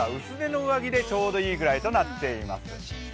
薄手の上着でちょうどいいぐらいとなっています。